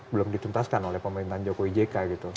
belum dituntaskan oleh pemerintahan joko widjeka gitu